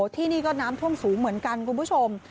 ที่นี่ก็น้ำท่วมสูงเหมือนกันคุณผู้ชม